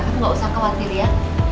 kamu gak usah khawatir ya